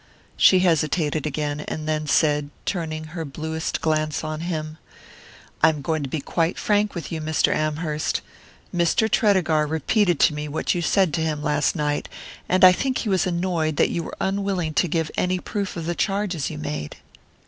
She hesitated again, and then said, turning her bluest glance on him: "I am going to be quite frank with you, Mr. Amherst. Mr. Tredegar repeated to me what you said to him last night, and I think he was annoyed that you were unwilling to give any proof of the charges you made."